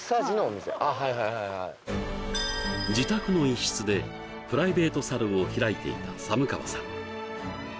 はいはいはいはい自宅の一室でプライベートサロンを開いていた寒川さん